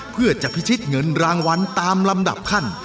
เพื่อจะพิชิตเงินรางวัลตามลำดับขั้น